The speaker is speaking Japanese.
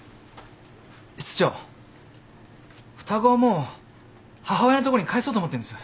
室長双子はもう母親のとこに返そうと思ってんです。